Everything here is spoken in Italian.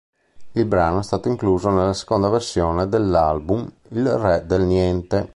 Il brano è stato incluso nella seconda versione dell'album "Il re del niente".